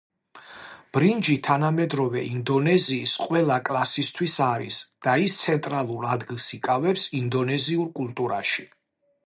ბრინჯი თანამედროვე ინდონეზიის ყველა კლასისთვის არის და ის ცენტრალურ ადგილს იკავებს ინდონეზიურ კულტურაში.